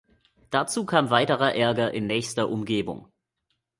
Dazu kam weiterer Ärger in nächster Umgebung.